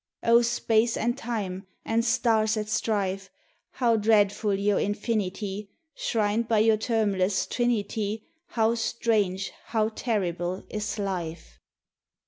O Space and Time and stars at strife, How dreadful your infinity! Shrined by your termless trinity, How strange, how terrible, is life!